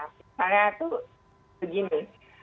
misalnya tuh begini